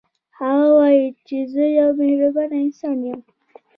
هغه وايي چې زه یو مهربانه انسان یم